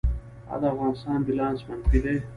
آیا د افغانستان بیلانس منفي دی؟